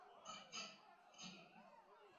绍兴二年壬子科张九成榜进士。